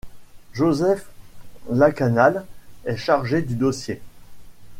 Joseph Lakanal est chargé du dossier.